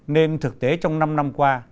nên thực tế trong năm năm qua